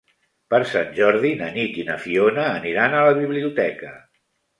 Per Sant Jordi na Nit i na Fiona aniran a la biblioteca.